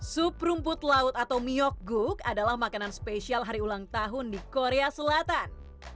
sup rumput laut atau myokguk adalah makanan spesial hari ulang tahun di korea selatan